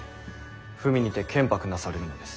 文にて建白なされるのです。